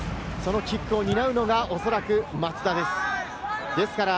そのキックを担うのが、おそらく松田です。